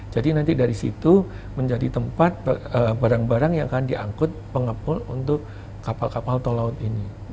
jadi nanti dari situ menjadi tempat barang barang yang akan diangkut pengapul untuk kapal kapal tol laut ini